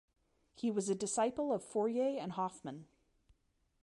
He was a disciple of Fourier and Hoffman.